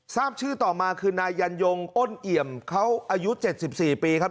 ทราบชื่อต่อมาคือนายยันยงอ้นเอี่ยมเขาอายุ๗๔ปีครับ